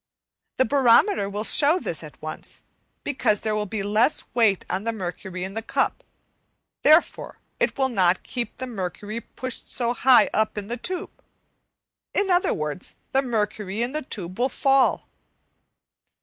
The barometer will show this at once, because there will be less weight on the mercury in the cup, therefore it will not keep the mercury pushed so high up in the tube. In other words, the mercury in the tube will fall.